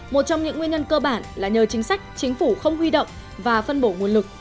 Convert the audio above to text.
một trong những nguyên nhân cơ bản là nhờ chính sách chính phủ không huy động và phân bổ nguồn lực